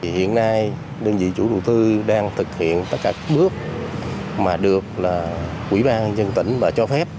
hiện nay đơn vị chủ đầu tư đang thực hiện tất cả các bước mà được quỹ ban dân tỉnh và cho phép